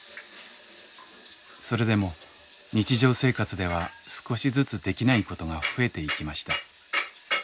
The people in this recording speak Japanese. それでも日常生活では少しずつできないことが増えていきました。